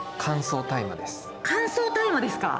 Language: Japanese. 乾燥大麻ですか！